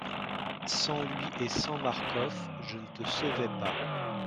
Sans lui et sans Marcof, je ne te sauvais pas.